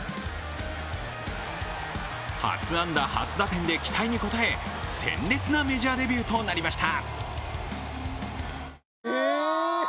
初安打・初打点で期待に応え鮮烈なメジャーデビューとなりました。